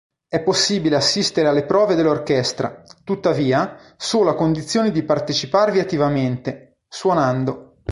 È possibile assistere alle prove dell'orchestra, tuttavia, solo a condizione di parteciparvi attivamente, suonando.